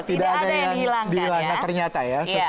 tidak ada yang dilanggar ternyata ya